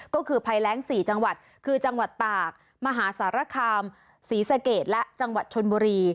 ก็คือภัยแรง๔จังหวัดคือจังหวัดตากมหาสารคามศรีสะเกดและจังหวัดชนบุรี